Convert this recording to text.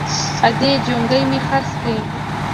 _ادې! جونګی مې خرڅ کړ!